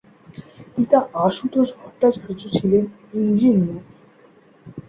পিতা আশুতোষ ভট্টাচার্য ছিলেন ইঞ্জিনিয়ার।